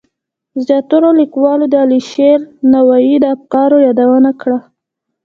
زیاترو لیکوالو د علیشیر نوایی د افکارو یادونه کړه.